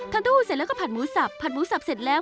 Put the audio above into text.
ทำถั่วหู้เสร็จแล้วก็ผัดมูสับผัดมูสับเสร็จแล้ว